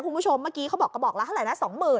เพราะเมื่อกี้เขาบอกกระบอกละเท่าไหร่นะ๒๐๐๐๐